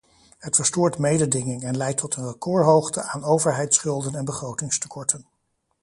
Het verstoort mededinging en leidt tot een recordhoogte aan overheidsschulden en begrotingstekorten.